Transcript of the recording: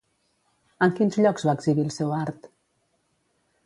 En quins llocs va exhibir el seu art?